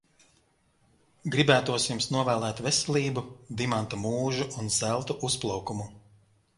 Gribētos jums novēlēt veselību, dimanta mūžu un zelta uzplaukumu.